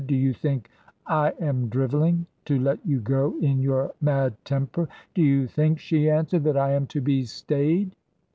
'Do you think I am drivelling, to let you go in your mad temper?" ' Do you think/ she answered, ' that I am to be stayed?'